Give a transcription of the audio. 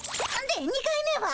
で２回目は？